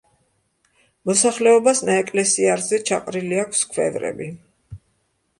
მოსახლეობას ნაეკლესიარზე ჩაყრილი აქვს ქვევრები.